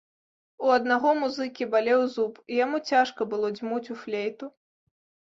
У аднаго музыкі балеў зуб, і яму цяжка было дзьмуць у флейту.